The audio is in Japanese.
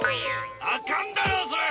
あかんだろそれ！